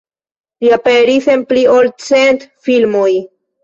Li aperis en pli ol cent filmoj.